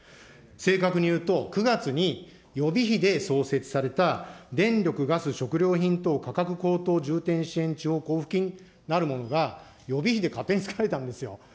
正確に言うと、９月に予備費で創設された、電力・ガス・食料品等価格高騰重点地方交付金なるものが、予備費で勝手につくられたんですよ。